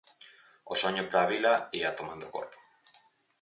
O soño para a vila ía tomando corpo.